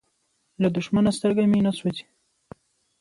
له دښمنه سترګه مې نه سوزي.